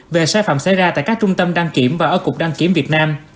về sai phạm xảy ra tại các trung tâm đăng kiểm và ở cục đăng kiểm việt nam